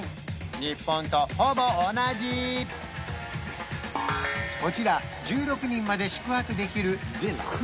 日本とほぼ同じこちら１６人まで宿泊できるヴィラ